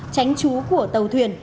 tránh trú của tàu thuyền